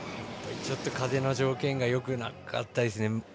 ちょっと風の条件がよくなかったですね。